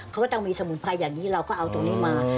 เขาก็ต้องมีสมุนไพรอย่างนี้เราก็เอาตรงนี้มา